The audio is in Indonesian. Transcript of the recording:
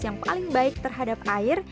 yang paling baik terhadap air